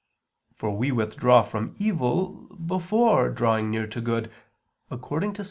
For we withdraw from evil before drawing near to good, according to Ps.